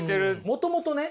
もともとね